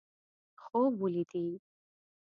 خوب ولیدي.